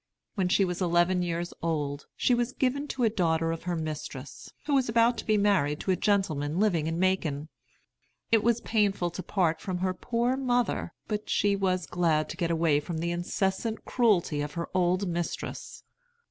When she was eleven years old she was given to a daughter of her mistress, who was about to be married to a gentleman living in Macon. It was painful to part from her poor mother, but she was glad to get away from the incessant cruelty of her old mistress.